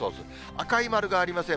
赤い丸がありません。